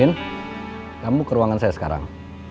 kamu ke ruangan saya sekarang